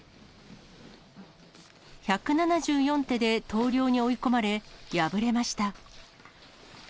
１７４手で投了に追い込まれ、敗れました。